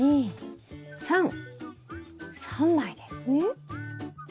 ３枚ですね。